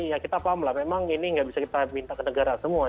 ya kita paham lah memang ini nggak bisa kita minta ke negara semua